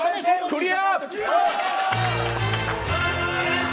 クリア。